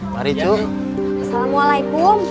bahkan milknya kaya kok